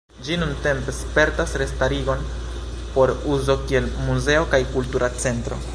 Ĝi nuntempe spertas restarigon por uzo kiel muzeo kaj kultura centro.